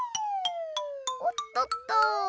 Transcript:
おっとっと！